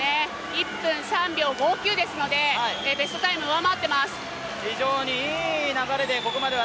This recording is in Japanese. １分３秒５９ですので、ベストタイムを上回っています。